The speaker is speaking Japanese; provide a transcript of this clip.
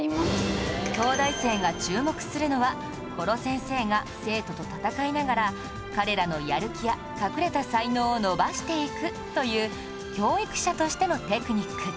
東大生が注目するのは殺せんせーが生徒と戦いながら彼らのやる気や隠れた才能を伸ばしていくという教育者としてのテクニック